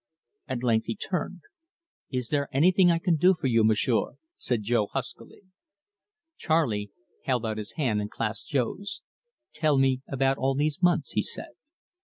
At length he turned. "Is there anything I can do for you, M'sieu'?" said Jo huskily. Charley held out his hand and clasped Jo's. "Tell me about all these months," he said.